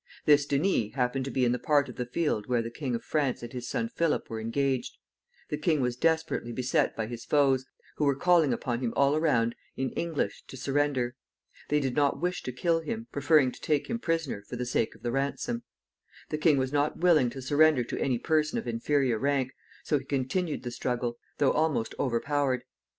This Denys happened to be in the part of the field where the King of France and his son Philip were engaged. The king was desperately beset by his foes, who were calling upon him all around in English to surrender. They did not wish to kill him, preferring to take him prisoner for the sake of the ransom. The king was not willing to surrender to any person of inferior rank, so he continued the struggle, though almost overpowered.